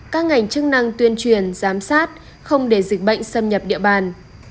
các ngành chức năng tuyên truyền giám sát không để dịch bệnh xâm nhập địa bàn